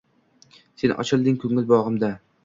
Sen ochilding ko’ngil bog’imda.